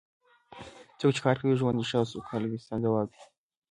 څوک چې کار کوي ژوند یې ښه او سوکاله وي سم ځواب دی.